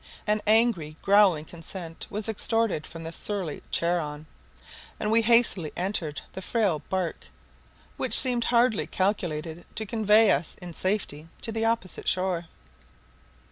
An angry growling consent was extorted from the surly Charon, and we hastily entered the frail bark, which seemed hardly calculated to convey us in safety to the opposite shore.